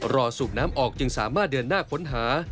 สูบน้ำออกจึงสามารถเดินหน้าค้นหา